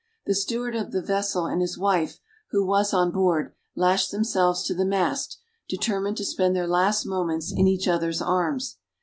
The steward of the vessel and his wife, who was on board, lashed themselves to the mast, determined to spend their last moments in each other's arms.